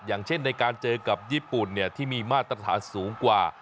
อย่างเช่นในการเจอกับญี่ปุ่นที่มีมาตรฐานสูงกว่า